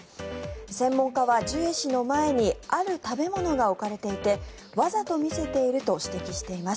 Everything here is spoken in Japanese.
専門家は、ジュエ氏の前にある食べ物が置かれていてわざと見せていると指摘しています。